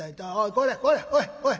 これこれおいおい！